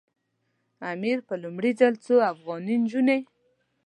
امیر په لومړي ځل څو افغاني نجونې.